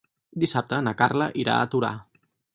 Dissabte na Carla irà a Torà.